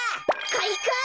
かいか！